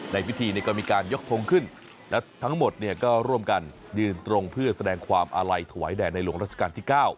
ในพิธีก็มีการยกทงขึ้นและทั้งหมดเนี่ยก็ร่วมกันยืนตรงเพื่อแสดงความอาลัยถวายแด่ในหลวงราชการที่๙